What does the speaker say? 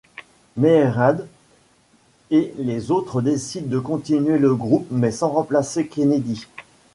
Mairéad et les autres décident de continuer le groupe mais sans remplacer Kennedy.